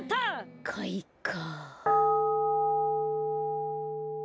かいか。